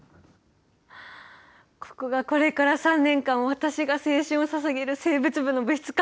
ここがこれから３年間私が青春をささげる生物部の部室か。